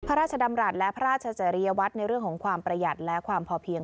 พระราชดำรัฐและพระราชจริยวัตรในเรื่องของความประหยัดและความพอเพียง